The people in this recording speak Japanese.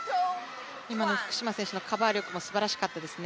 今の福島選手のカバー力もすばらしかったですね。